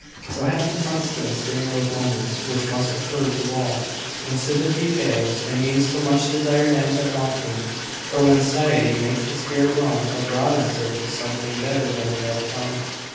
So have the prosperous, during those moments which must occur to all, when sympathy fails, and means to much desired ends are wanting, or when satiety makes the spirit roam abroad in search of something better than it has found.